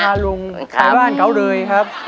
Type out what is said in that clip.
ลุงไปบ้านเขาเลยครับ